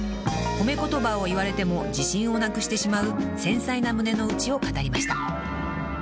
［褒め言葉を言われても自信をなくしてしまう繊細な胸の内を語りました］